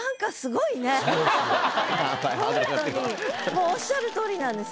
もうおっしゃる通りなんです。